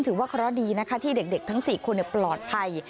ถือว่าเคราะห์ดีนะคะที่เด็กทั้ง๔คนปลอดภัย